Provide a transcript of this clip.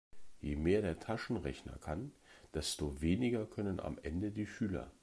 Je mehr der Taschenrechner kann, desto weniger können am Ende die Schüler.